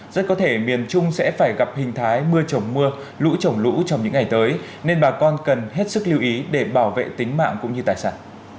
rất có thể miền trung sẽ phải gặp hình thái mưa trồng mưa lũ trồng lũ trong những ngày tới nên bà con cần hết sức lưu ý để bảo vệ tính mạng cũng như tài sản